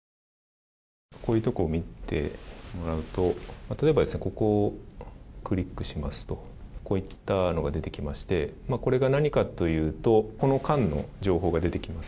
こういうところを見てもらうと例えばここをクリックしますとこういったのが出てきましてこれが何かというとこの管の情報が出てきます。